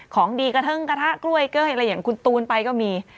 ของดีกระเทิงกระทะกล้วยเก้ยอะไรอย่างคุณตูนไปก็มี